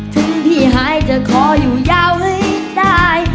ถึงพี่หายจะขออยู่ยาวให้ได้